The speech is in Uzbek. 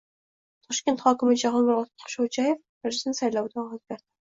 Toshkent hokimi Jahongir Ortiqxo‘jayev prezident saylovida ovoz berdi